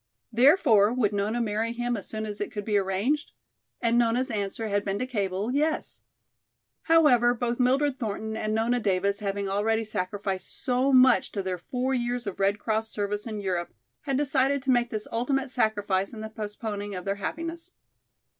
Therefore would Nona marry him as soon as it could be arranged? And Nona's answer had been to cable, "Yes."[B] However, both Mildred Thornton and Nona Davis having already sacrificed so much to their four years of Red Cross service in Europe, had decided to make this ultimate sacrifice in the postponing of their happiness.